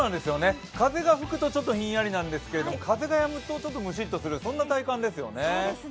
風が吹くとちょっとひんやりなんですが、風がやむとムシっとする、そんな体感ですよね